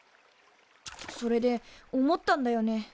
それで思ったんだよね。